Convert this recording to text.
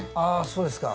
そうですか。